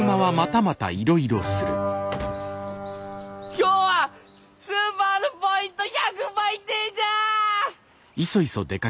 今日はスーパーのポイント１００倍デーだ！